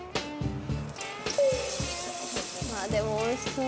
でも、おいしそう！